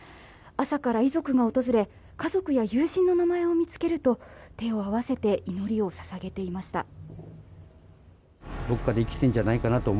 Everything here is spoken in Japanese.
朝から遺族が訪れ家族や友人の名前を見つけると手を合わせて祈りを捧げていました。